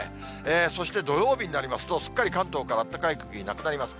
そして土曜日になりますと、すっかり関東から暖かい空気なくなります。